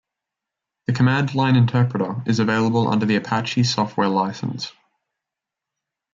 The command line interpreter is available under the Apache Software License.